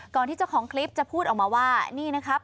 ที่เจ้าของคลิปจะพูดออกมาว่านี่นะครับ